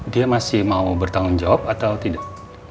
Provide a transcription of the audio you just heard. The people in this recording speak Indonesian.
dia masih mau bertanggung jawab atau tidak